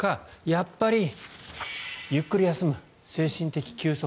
やっぱりゆっくり休む精神的休息。